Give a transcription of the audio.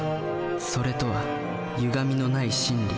「それ」とはゆがみのない真理。